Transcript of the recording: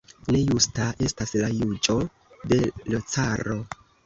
Ne justa estas la juĝo de l' caro?